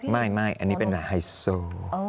ไม่แล้วอันนี้เป็นไฮซ์โตร